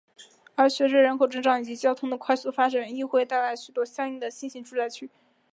而随着人口增长以及交通的快速发展亦会带来许多相应的新型住宅区。